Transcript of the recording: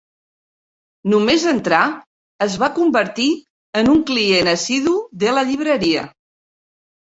Només entrar, es va convertir en un client assidu de la llibreria.